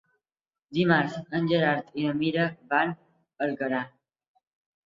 Dimarts en Gerard i na Mira van a Alcanar.